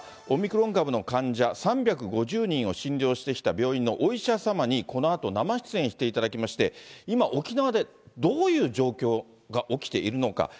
オミクロン株の患者３５０人を診療してきた病院のお医者様に、このあと生出演していただきまして、今、沖縄でどういう状況が起きているのか。